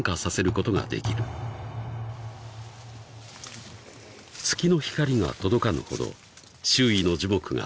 ［月の光が届かぬほど周囲の樹木が高い］